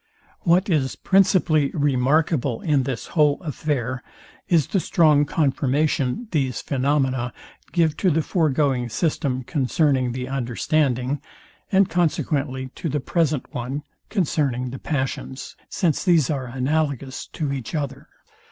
What is principally remarkable in this whole affair is the strong confirmation these phaenomena give to the foregoing system concerning the understanding, and consequently to the present one concerning the passions; since these are analogous to each other.